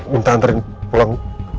minta diantarin pulang